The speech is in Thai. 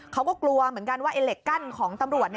เขาก็กลัวเหมือนกันว่าไอ้เหล็กกั้นของตำรวจ